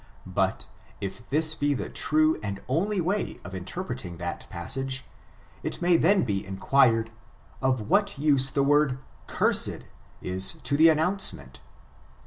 But, if this be the true and on ly way of interpreting that passage, it may then be inquired, of what use the word cursed is to the an nouncement?